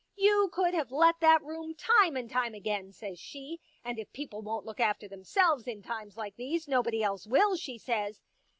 You could have let that room time and time again,' says she, * and if people won't look after themselves in times like these, nobody else will,* she says.